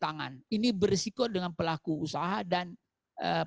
yang ada diutamanya suatu tempat maupun desa yang playoffs nya